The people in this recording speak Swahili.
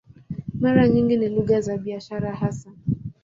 Mara nyingi ni lugha za biashara hasa.